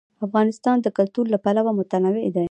افغانستان د کلتور له پلوه متنوع دی.